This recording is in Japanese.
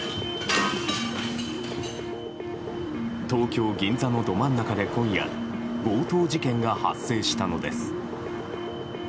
東京・銀座のど真ん中で今夜強盗事件が発生したのです。